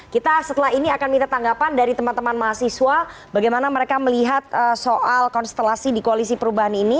kita setelah ini akan minta tanggapan dari teman teman mahasiswa bagaimana mereka melihat soal konstelasi di koalisi perubahan ini